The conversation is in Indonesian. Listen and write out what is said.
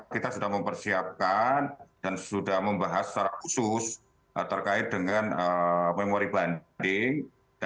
kita sudah mempersiapkan dan sudah membahas secara khusus terkait dengan memori banding